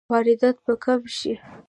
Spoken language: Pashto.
واردات به کم شي؟